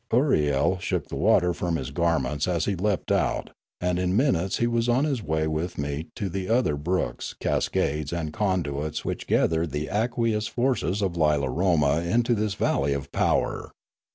Ooriel shook the water from his garments as he leapt out, and in a few minutes he was on his way with me to the other brooks, cascades, and conduits which gathered the aqueous forces of Lilaroma into this valley of power.